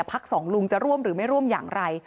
สองลุงจะร่วมหรือไม่ร่วมอย่างไร